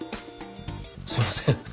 すいません。